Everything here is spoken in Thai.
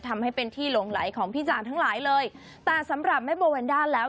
ทำให้เป็นที่หลงไหลของพี่จ่างทั้งหลายเลยแต่สำหรับแม่โบแวนด้าแล้ว